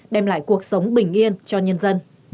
đem lại cuộc sống bình yên cho nhân dân